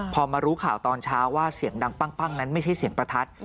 พอมารู้ข่าวตอนเช้าว่าเสียงดังปั้งนั้นไม่ใช่เสียงประทัด